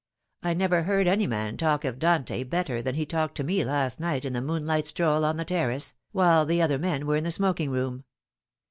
I never heard any man talk of Dante better than he talked to me last night in a moonlight stroll on the terrace, while the other men were in the smoking room."